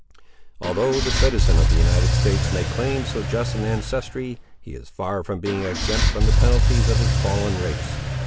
Although the citizen of the United States may claim so just an ancestry, he is far from being exempt from the penalties of his fallen race.